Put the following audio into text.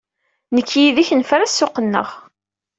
Nekk yid-k nefra ssuq-nneɣ.